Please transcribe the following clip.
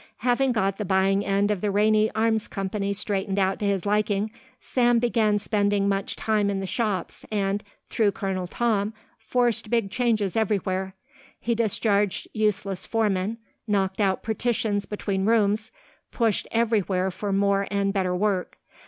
Having got the buying end of the Rainey Arms Company straightened out to his liking, Sam began spending much time in the shops and, through Colonel Tom, forced big changes everywhere. He discharged useless foremen, knocked out partitions between rooms, pushed everywhere for more and better work.